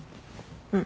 うん。